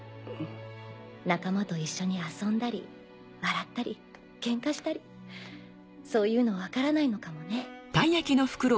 仲間と一緒に遊んだり笑ったりけんかしたりそういうのわからないのかもね。